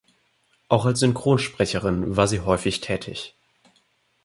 Auch als Synchronsprecherin war sie häufig tätig.